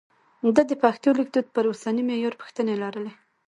ده د پښتو لیکدود پر اوسني معیار پوښتنې لرلې.